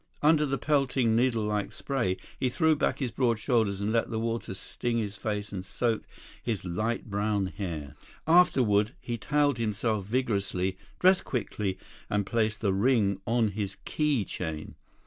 Under the pelting needlelike spray, he threw back his broad shoulders and let the water sting his face and soak his light brown hair. Afterward he toweled himself vigorously, dressed quickly, and placed the ring on his key chain.